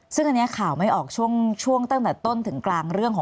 ซึ่งอันนี้ข่าวไม่ออกช่วงตั้งแต่ต้นถึงกลางเรื่องของ